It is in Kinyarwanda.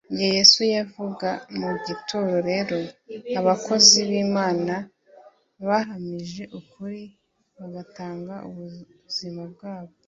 igihe Yesu yavaga mu gituro rero abakozi b'Imana bahamije ukuri bagatanga ubuzima bwabo,